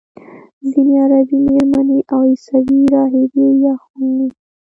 ځینې عربي میرمنې او عیسوي راهبې یې اغوندي.